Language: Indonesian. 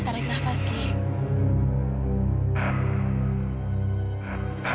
sekarang udah lebih tenang